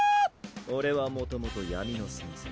俺はもともと闇の存在。